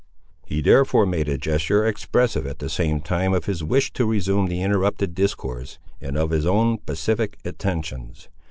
He therefore made a gesture expressive at the same time of his wish to resume the interrupted discourse, and of his own pacific intentions.